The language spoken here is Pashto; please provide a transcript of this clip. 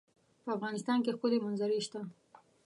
په افغانستان کې ښکلي منظرې شته.